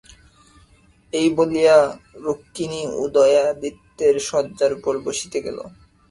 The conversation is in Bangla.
এই বলিয়া রুক্মিণী উদয়াদিত্যের শয্যার উপর বসিতে গেল।